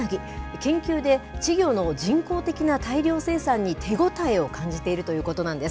研究で稚魚の人工的な大量生産に手応えを感じているということなんです。